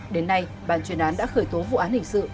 đến nay bản chuyển án đã khởi tố vụ án hình sự